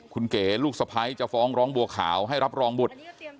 คุณเก๋ลูกสะพ้ายจะฟ้องร้องบัวขาวให้รับรองบุตร